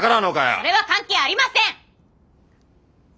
それは関係ありません！